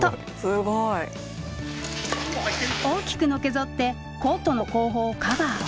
すごい。大きくのけぞってコートの後方をカバー。